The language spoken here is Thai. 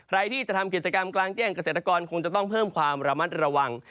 ใครที่จะทำกิจกรรมกลางแจ้งเกษตรกรคงจะต้องเพิ่มความระมัดระวัง